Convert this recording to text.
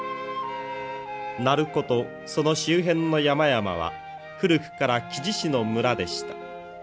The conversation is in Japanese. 鳴子とその周辺の山々は古くから木地師の村でした。